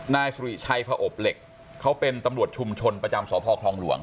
นายสุริชัยผอบเหล็กเขาเป็นตำรวจชุมชนประจำสพคลองหลวง